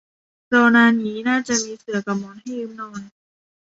รอนานงี้น่าจะมีเสื่อกับหมอนให้ยืมนอน